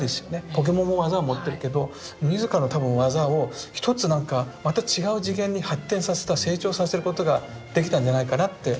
ポケモンも技は持ってるけど自らの多分技をひとつなんかまた違う次元に発展させた成長させることができたんじゃないかなって想像するんですよ。